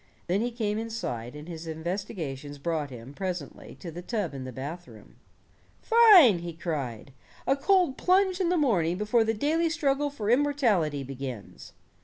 Then he came inside, and his investigations brought him, presently to the tub in the bathroom. "Fine," he cried, "a cold plunge in the morning before the daily struggle for immortality begins."